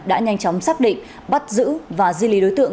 đã nhanh chóng xác định bắt giữ và di lý đối tượng